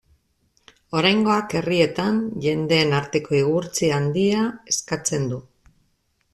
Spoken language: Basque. Oraingoak herrietan jendeen arteko igurtzi handia eskatzen du.